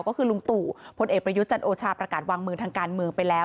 ก็คือลุงตู่พลเอกประยุทธ์จันโอชาประกาศวางมือทางการเมืองไปแล้ว